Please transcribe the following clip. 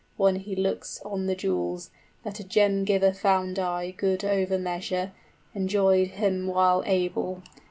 } When he looks on the jewels, that a gem giver found I Good over measure, enjoyed him while able.